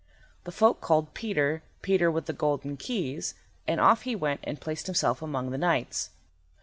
The folk called Peter, Peter with the Golden Keys, and off he went and placed himself among the knights.